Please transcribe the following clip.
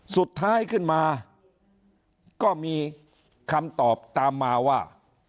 สุดท้ายขึ้นมาก็มีคำตอบตามมาว่า